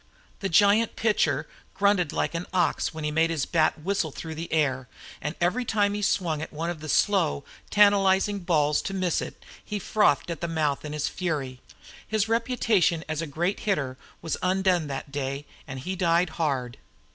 The giant pitcher grunted like an ox when he made his bat whistle through the air; and every time he swung at one of the slow, tantalizing balls to miss it, he frothed at the mouth in his fury. His reputation as a great hitter was undone that day and he died hard.